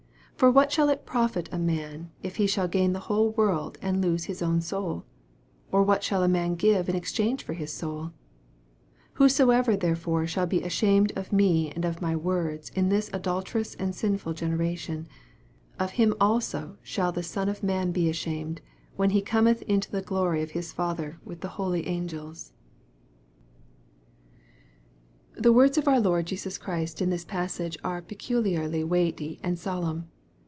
86 For what shall it profit a man, if he shall gain the whole world, and lose his own soul 1 37 Or what shall a man give In ex change for his soul 1 38 Whosoever therefore shall be ashamed of me and of my words in this adulterous and sinful genera tion ; of him also shall the Son of man be ashamed, when he cometh in the glory of his Father with the holy angels. MARK, CHAP. VIII. 169 THE words of our Lord Jesus Christ in this passage are peculiarly weighty and solemn.